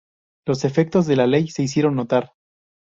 Los efectos de la ley se hicieron notar.